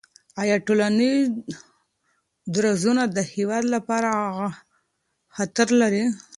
آیا ټولنیز درزونه د هېواد لپاره خطر لري؟